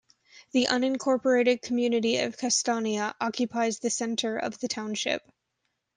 The unincorporated community of Castanea occupies the center of the township.